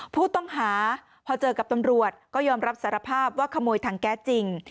ผู้ต้องหาพอเจอกับตำรวจก็ยอมรับสารภาพว่าขโมยถังแก๊สจริง